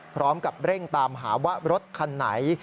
พร้อมกับเร่งตามหาว่ารถคันไหน